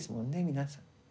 皆さん。